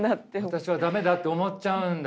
私は駄目だって思っちゃうんだ？